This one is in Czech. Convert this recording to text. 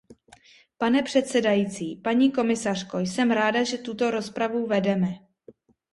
Pane předsedající, paní komisařko, jsem ráda, že tuto rozpravu vedeme.